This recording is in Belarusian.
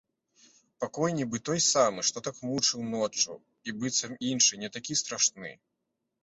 Пакой нібы той самы, што так мучыў ноччу, і быццам іншы, не такі страшны.